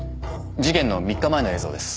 事件の３日前の映像です。